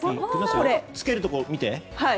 つけるところを見て。